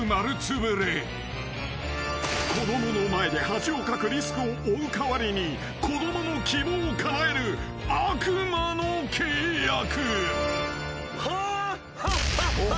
［子供の前で恥をかくリスクを負う代わりに子供の希望をかなえる悪魔の契約］